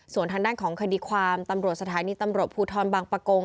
ส่วนทางด้านของคดีความตำรวจสไตรเป็นปุทธรบังปะโกง